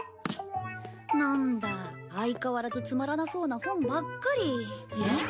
なんだ相変わらずつまらなそうな本ばっかり。